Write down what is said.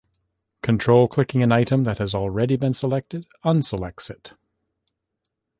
"Control-clicking" an item that has already been selected, unselects it.